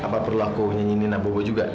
ah apa perlu aku nyanyiinin anak bobo juga